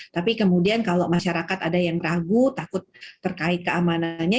tapi kemudian kalau masyarakat ada yang ragu takut terkait keamanannya